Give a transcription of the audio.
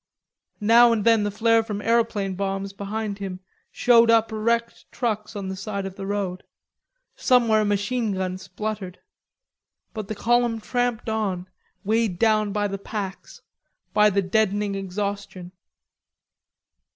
Now and then the flare from aeroplane bombs behind him showed up wrecked trucks on the side of the road. Somewhere a machine gun spluttered. But the column tramped on, weighed down by the packs, by the deadening exhaustion.